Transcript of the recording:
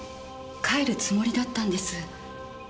帰るつもりだったんです。